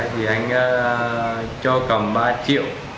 thì anh cho cầm ba triệu